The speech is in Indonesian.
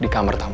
di kamar tamu